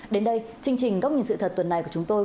đến đây chương trình góc nhìn sự thật tuần này của chúng tôi